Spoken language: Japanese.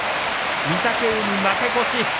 御嶽海負け越しです。